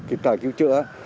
kịp trợ cứu trợ